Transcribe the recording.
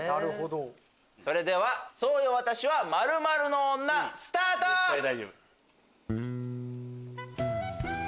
それではそうよ私は○○の女スタート！えっ？